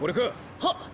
はっ！